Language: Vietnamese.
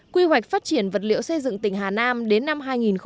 quy hoạch phát triển vật liệu xây dựng tỉnh hà nam đến năm hai nghìn ba mươi